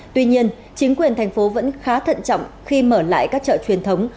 tuy nhiên chính quyền thành phố vẫn khá thận trọng khi mở lại các chợ truyền thống